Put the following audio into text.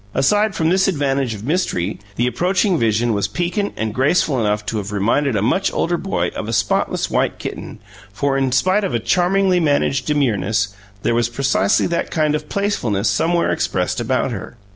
Aside from this advantage of mystery, the approaching vision was piquant and graceful enough to have reminded a much older boy of a spotless white kitten, for, in spite of a charmingly managed demureness, there was precisely that kind of playfulness somewhere expressed about her.